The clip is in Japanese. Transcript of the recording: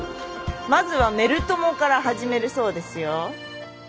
まずはメル友から始めるそうですよ。